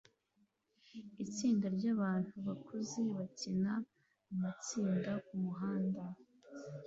Itsinda ryabantu bakuze bakina mumatsinda kumuhanda